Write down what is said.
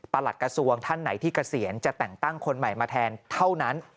หลัดกระทรวงท่านไหนที่เกษียณจะแต่งตั้งคนใหม่มาแทนเท่านั้น